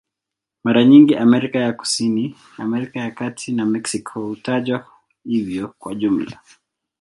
Mara nyingi Amerika ya Kusini, Amerika ya Kati na Meksiko hutajwa hivyo kwa jumla.